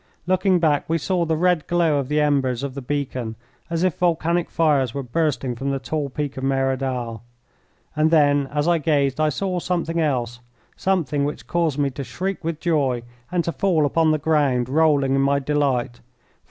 Looking back we saw the red glow of the embers of the beacon as if volcanic fires were bursting from the tall peak of Merodal. And then, as I gazed, I saw something else something which caused me to shriek with joy and to fall upon the ground, rolling in my delight.